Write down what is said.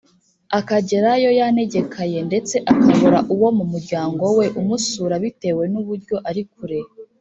akagerayo yanegekaye ndetse akabura uwo mu muryango we umusura bitewe n’uburyo ari kure